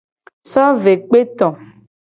So ve kpe to.